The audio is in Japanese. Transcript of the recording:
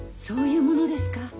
そういうものですか。